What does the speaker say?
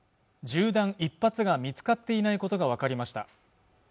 銃弾１発が見つかっていないことが分かりました